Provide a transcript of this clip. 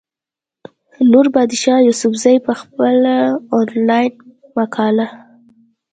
نوربادشاه يوسفزۍ پۀ خپله انلاين مقاله